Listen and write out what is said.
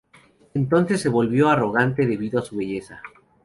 Entonces se volvió arrogante debido a su belleza.